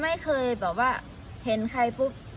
ไม่เคยแบบว่าเห็นใครปุ๊บ